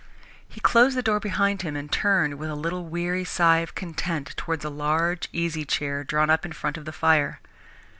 He closed the door behind him and turned, with a little weary sigh of content, towards a large easy chair drawn up in front of the fire.